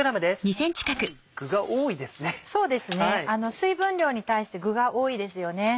水分量に対して具が多いですよね。